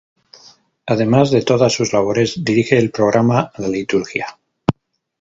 Además de todas sus labores, dirige el programa "La liturgia.